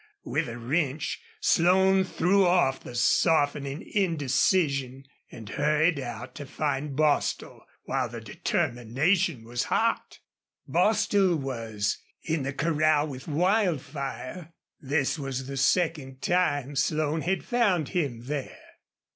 With a wrench Slone threw off the softening indecision and hurried out to find Bostil while the determination was hot. Bostil was in the corral with Wildfire. This was the second time Slone had found him there.